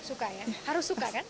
suka ya harus suka kan